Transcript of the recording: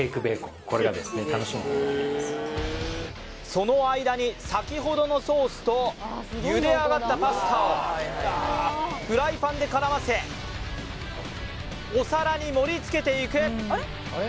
その間に先ほどのソースとゆであがったパスタをフライパンでからませお皿に盛りつけていく